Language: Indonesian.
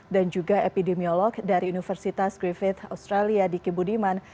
dan juga epidemiolog dari universitas griffith australia diki budiman